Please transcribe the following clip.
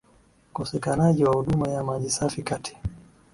ukosekanaji wa huduma ya maji safi kati